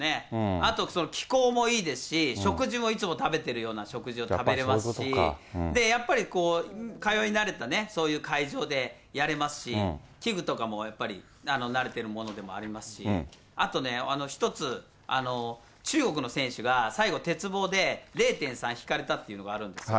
あと気候もいいですし、食事もいつも食べてるような食事を食べれますし、やっぱり通い慣れたそういう会場でやれますし、器具とかもやっぱり、慣れてるものでもありますし、あとね、一つ、中国の選手が最後、鉄棒で０．３引かれたっていうのがあるんですよ。